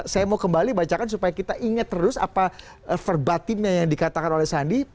saya mau kembali bacakan supaya kita ingat terus apa verbatimnya yang dikatakan oleh sandi